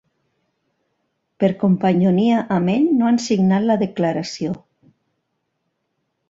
Per companyonia amb ell no han signat la declaració.